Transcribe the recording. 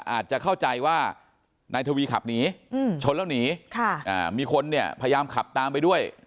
อาจจะเข้าใจว่านายทวีขับหนีชนแล้วหนีมีคนเนี่ยพยายามขับตามไปด้วย